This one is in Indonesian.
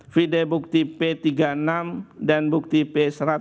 video bukti p tiga puluh enam dan bukti p satu ratus enam puluh